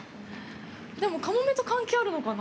でも、かもめと関係あるのかな。